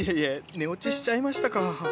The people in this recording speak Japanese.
寝落ちしちゃいましたか！